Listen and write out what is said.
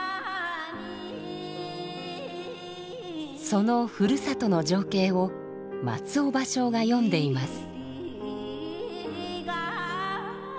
そのふるさとの情景を松尾芭蕉が詠んでいます。